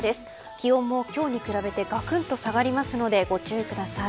気温も今日に比べてがくんと下がりますのでご注意ください。